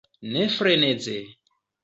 Ne freneze!